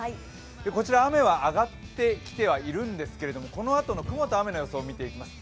こちら、雨は上がってきてはいるんですが、このあとの雲と雨の予想を見ていきます。